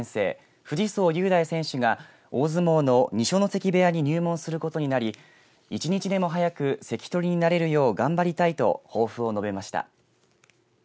藤宗雄大選手が大相撲の二所ノ関部屋に入門することになり１日でも早く関取になれるよう頑張りたいと抱負を述べました。